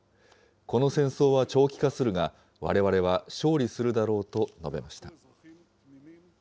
この戦争は長期化するが、われわれは勝利するだろうと述べました。